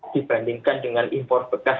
dibandingkan dengan impor bekas